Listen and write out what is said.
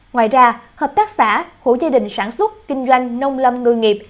ngoài ra hợp tác xã hữu gia đình sản xuất kinh doanh nông lâm người nghiệp